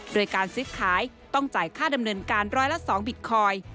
โดยการซื้อขายต้องจ่ายค่าดำเนินการร้อยละ๒บิตคอยน์